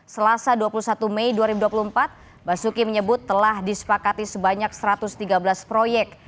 selasa dua puluh satu mei dua ribu dua puluh empat basuki menyebut telah disepakati sebanyak satu ratus tiga belas proyek